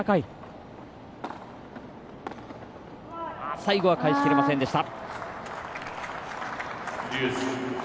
最後は返しきれませんでした。